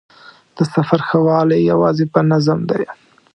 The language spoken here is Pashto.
د سفر ښه والی یوازې په نظم دی.